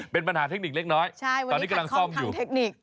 เป็นปัญหาเทคนิคเล็กน้อยตอนนี้กำลังซ่อมอยู่ใช่วันนี้ขัดคล่องทางเทคนิค